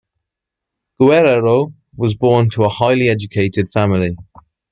Guerrero was born to a highly educated family.